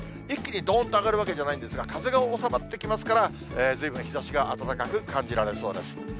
一気にどんと上がるわけじゃないんですが、風が収まってきますから、ずいぶん日ざしが暖かく感じられそうです。